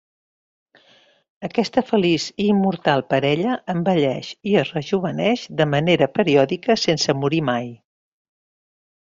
Aquesta feliç i immortal parella envelleix i es rejoveneix de manera periòdica sense morir mai.